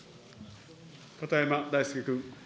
片山大介君。